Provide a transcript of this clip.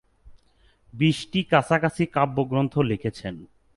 বিশটি কাছাকাছি কাব্যগ্রন্থ লিখেছিলেন।